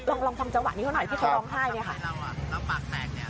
ลองทำจังหวะนี้ก็หน่อยที่เขาร้องไห้เนี่ยค่ะ